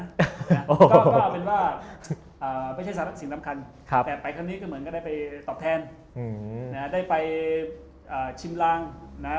ก็เป็นว่าไม่ใช่สารสินสำคัญแต่ไปครั้งนี้ก็เหมือนกันได้ไปตอบแทนได้ไปชิมรางนะฮะ